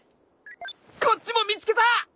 こっちも見つけた！